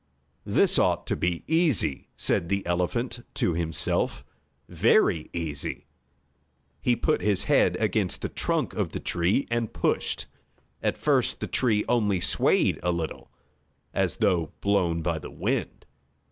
"This ought to be easy," said the elephant to himself. "Very easy!" He put his head against the trunk of the tree and pushed. At first the tree only swayed a little, as though blown by the wind.